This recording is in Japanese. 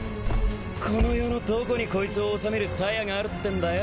この世のどこにこいつを収めるさやがあるってんだよ。